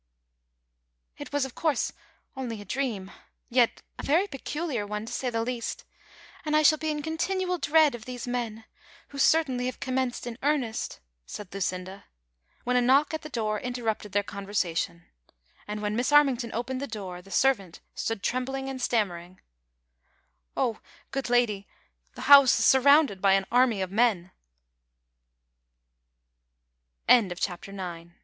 '• It was, of course, only a dream, yet a very peculiar one, to say the least, and I shall be in continual dread of these men, who certainly have commenced in earnest "— said Lucinda, when a knock at the door interrupted their con versation ; and when Miss Armington opened the door, the servant stood trembling and stammering : "O, go